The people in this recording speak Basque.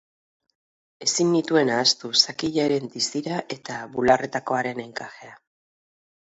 Ezin nituen ahaztu zakilaren distira eta bularretakoaren enkajea.